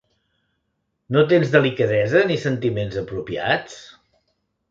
No tens delicadesa ni sentiments apropiats?